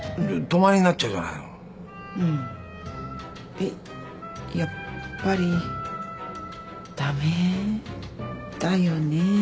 えっやっぱり駄目だよね。